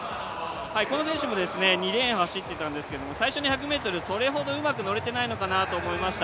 この選手も２レーンを走っていた選手なんですが、最初の１００ｍはそれほどうまく乗れていないのかなと思いました。